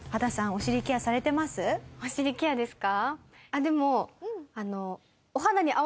お尻ケアですか？